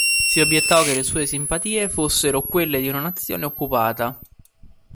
Si obiettò che le sue "simpatie" fossero quelle di una nazione occupata.